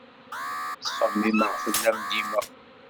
Ttxemmimeɣ fell-am dima.